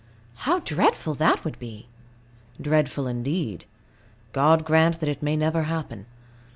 How dreadful that would be! Dreadful indeed. God grant that it may never happen.